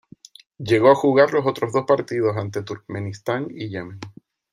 Llegó a jugar los otros dos partidos ante Turkmenistán y Yemen.